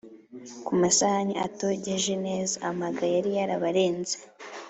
ku masahani atogeje neza, amaga yari yarabarenze,